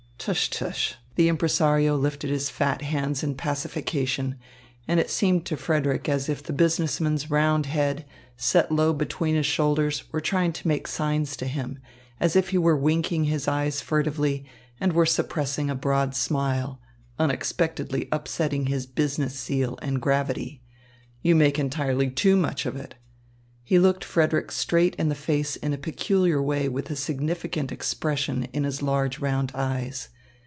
"Tush tush!" The impresario lifted his fat hands in pacification, and it seemed to Frederick as if the business man's round head, set low between his shoulders, were trying to make signs to him, as if he were winking his eyes furtively and were suppressing a broad smile, unexpectedly upsetting his business zeal and gravity. "You make entirely too much of it." He looked Frederick straight in the face in a peculiar way with a significant expression in his large round eyes.